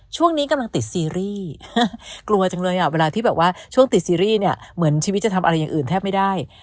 ช่วงนี้กำลังติดซีรีส์กลัวจังเลยอ่ะเวลาที่แบบว่าช่วงติดซีรีส์เนี่ยเหมือนชีวิตจะทำอะไรอย่างอื่นแทบไม่ได้